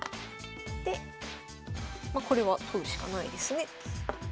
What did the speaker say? でまこれは取るしかないですね。